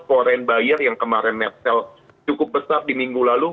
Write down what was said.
foreign buyer yang kemarin net sale cukup besar di minggu lalu